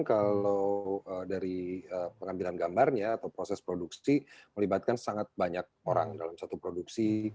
kalau dari pengambilan gambarnya atau proses produksi melibatkan sangat banyak orang dalam satu produksi